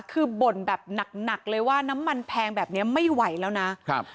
คือบ่นแบบหนักหนักเลยว่าน้ำมันแพงแบบเนี้ยไม่ไหวแล้วนะครับ